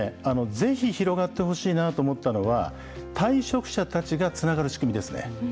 ぜひ広がってほしいなと思ったのは、退職者たちがつながる仕組みですね。